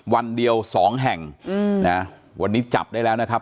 วันเดียวสองแห่งนะวันนี้จับได้แล้วนะครับ